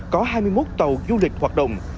có hai mươi một tàu du lịch hoạt động